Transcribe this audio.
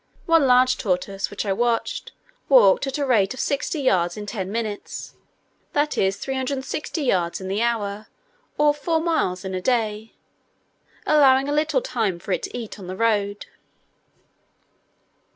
One large tortoise, which I watched, walked at the rate of sixty yards in ten minutes, that is 360 yards in the hour, or four miles a day, allowing a little time for it to eat on the road.